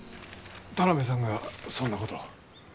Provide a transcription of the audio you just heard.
田邊さんがそんなことを。